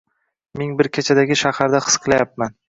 Ming bir kechadagi shaharda his qilayapman.